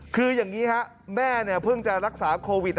คือแบบนี้ครับแม่เนี่ยเพิ่งจะรักษาโควิช